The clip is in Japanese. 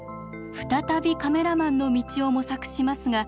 再びカメラマンの道を模索しますが挫折。